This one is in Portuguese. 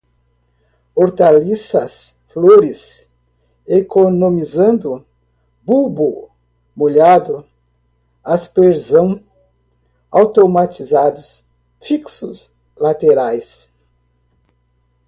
hortaliças, flores, economizando, bulbo molhado, aspersão, automatizados, fixos, laterais